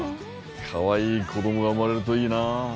かわいい子供が生まれるといいな。